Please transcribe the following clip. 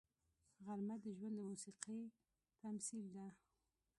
غرمه د ژوند د موسیقۍ تمثیل ده